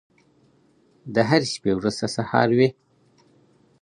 د هرې شپې وروسته سهار وي.